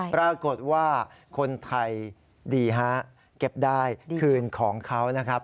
ปรากฏว่าคนไทยดีฮะเก็บได้คืนของเขานะครับ